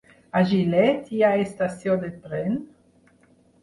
A Gilet hi ha estació de tren?